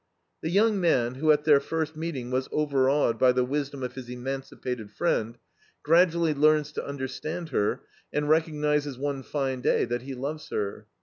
The young man, who, at their first meeting, was overawed by the wisdom of his emancipated friend, gradually learns to understand her, and recognizes one fine day that he loves her.